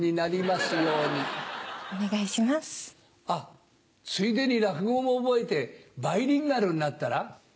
あっついでに落語も覚えてバイリンガルになったら？